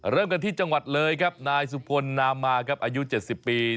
เริ่มกันที่จังหวัดเลยครับนายสุพลนามมาครับอายุ๗๐ปี